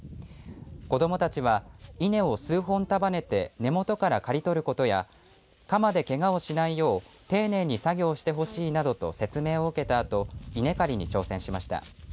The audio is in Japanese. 子どもたちは、稲を数本束ねて根元から刈り取ることや鎌でけがをしないよう丁寧に作業してほしいなどと説明を受けたあと稲刈りに挑戦しました。